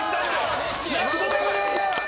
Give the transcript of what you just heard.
ラストダブル！